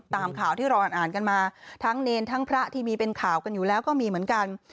ตามข่าวที่เราอ่านกันมาทั้งเนรทั้งพระที่มีเป็นข่าวกันอยู่แล้วก็มีเหมือนกัน